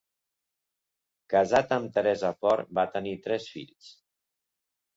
Casat amb Teresa Fort, va tenir tres fills.